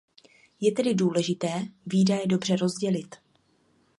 Je tedy důležité výdaje dobře rozdělit.